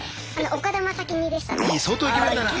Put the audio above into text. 岡田将生似でしたね。